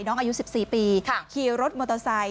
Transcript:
น้องอายุ๑๔ปีขี่รถมอเตอร์ไซค